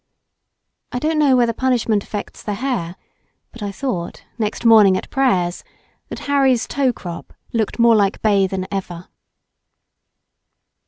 I don't know whether punishment affects the hair, but I thought, next morning at prayers, that Harry's tow crop looked more like bay than ever.